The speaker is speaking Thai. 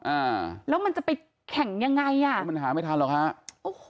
อ่าแล้วมันจะไปแข่งยังไงอ่ะแล้วมันหาไม่ทันหรอกฮะโอ้โห